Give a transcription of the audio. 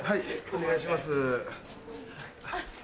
お願いします。